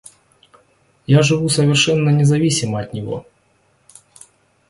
Я живу совершенно независимо от него.